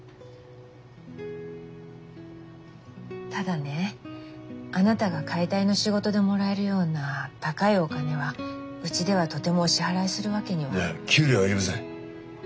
ただねあなたが解体の仕事でもらえるような高いお金はうちではとてもお支払いするわけには。いや給料はいりません。